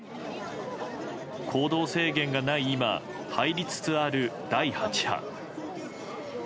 行動制限がない今入りつつある第８波。